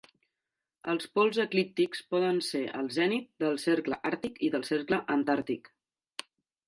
Els pols eclíptics poden ser al zenit del Cercle Àrtic i del Cercle Antàrtic.